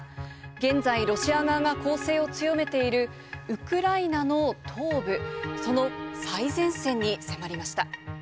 現在、ロシア側が攻勢を強めているウクライナの東部、その最前線に迫りました。